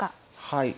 はい。